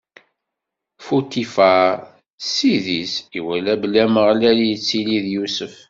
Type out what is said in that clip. Futifaṛ, ssid-is, iwala belli Ameɣlal ittili d Yusef.